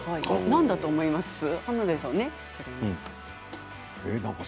何だと思いますか？